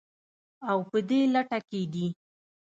او په دې لټه کې دي